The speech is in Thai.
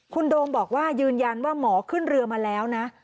คุณโดมบอกว่ายืนยันว่าหมอขึ้นเรือมาแล้วนะ